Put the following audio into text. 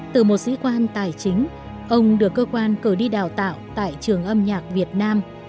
từ một sĩ quan tài chính ông được cơ quan cờ đi đào tạo tại trường âm nhạc việt nam